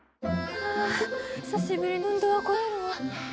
はあ久しぶりの運動はこたえるわ。